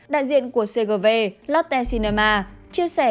đại diện của cgv lotte cinema chia sẻ